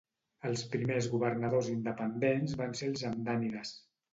Els primers governadors independents van ser els hamdànides.